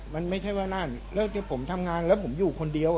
มันไม่ใช่ว่านั่นแล้วผมทำงานแล้วผมอยู่คนเดียว